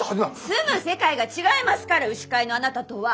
住む世界が違いますから牛飼いのあなたとは。